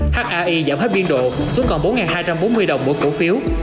hi giảm hết biên độ xuống còn bốn hai trăm bốn mươi đồng mỗi cổ phiếu